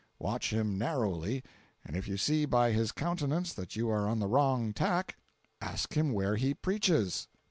Watch him narrowly, and if you see by his countenance that you are on the wrong tack, ask him where he preaches.